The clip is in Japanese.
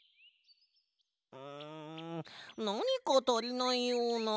うんなにかたりないような。